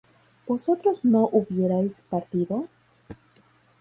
¿vosotros no hubierais partido?